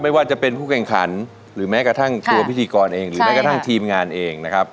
ไม่ว่าจะเป็นผู้แข่งขันหรือแม้กระทั่งตัวพิธีกรเองหรือแม้กระทั่งทีมงานเองนะครับ